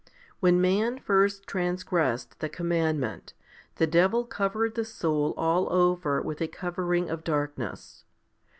When man first transgressed the commandment, the devil covered the soul all over with a covering of darkness.